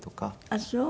あっそう。